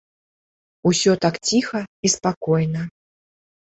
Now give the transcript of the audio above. Усё так ціха і спакойна.